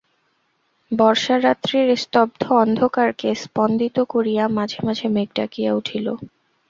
বর্ষারাত্রির স্তব্ধ অন্ধকারকে স্পন্দিত করিয়া মাঝে মাঝে মেঘ ডাকিয়া উঠিল।